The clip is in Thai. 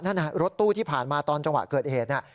นั่นรถตู้ที่ผ่านมาตอนจังหวะเกิดเหตุ